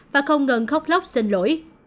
và không ngừng khóc lóc xin lỗi